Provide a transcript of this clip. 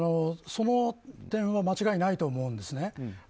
その点は間違いないと思うんですね。